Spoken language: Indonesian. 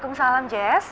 aku mau reaksikan